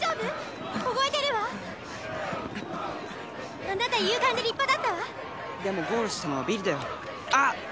凍えてるわあなた勇敢で立派だったわでもゴールしたのはビリだよああっ！